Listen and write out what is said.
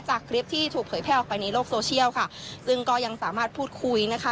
คลิปที่ถูกเผยแพร่ออกไปในโลกโซเชียลค่ะซึ่งก็ยังสามารถพูดคุยนะคะ